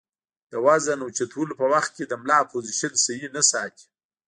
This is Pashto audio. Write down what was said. د وزن اوچتولو پۀ وخت د ملا پوزيشن سهي نۀ ساتي